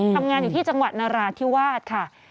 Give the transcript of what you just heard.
ทำงานอยู่ที่จังหวัดนราธิวาสค่ะ